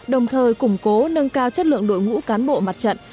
đồng thời củng cố nâng cao chất lượng đội ngũ cán bộ mặt trận